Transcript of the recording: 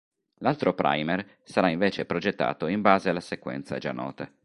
L'altro primer sarà invece progettato in base alla sequenza già nota.